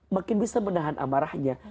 makin bisa menahan amarahnya